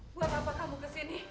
buat apa kamu kesini